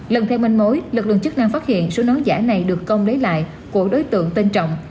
lần theo mênh mối lực lượng chức năng phát hiện số nón giá này được công lấy lại của đối tượng tên trọng